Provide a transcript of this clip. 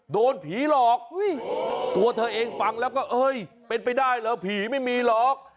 โดนผีหลอกตัวเธอเองฟังแล้วก็เอ้ยเป็นไปได้เหรอผีไม่มีหรอก